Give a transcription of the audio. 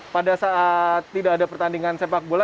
pada saat tidak ada pertandingan sepak bola